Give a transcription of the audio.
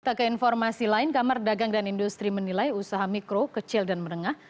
tak keinformasi lain kamar dagang dan industri menilai usaha mikro kecil dan merengah